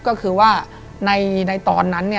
ก็คือว่าในตอนนั้น